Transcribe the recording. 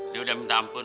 dia udah minta ampun